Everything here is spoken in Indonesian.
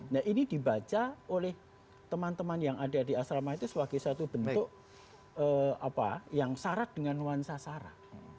nah ini dibaca oleh teman teman yang ada di asrama itu sebagai satu bentuk yang syarat dengan nuansa sara